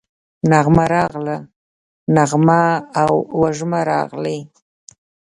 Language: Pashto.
نغمه راغله، نغمه او وژمه راغلې